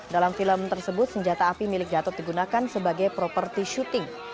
dalam film tersebut senjata api milik gatot digunakan sebagai properti syuting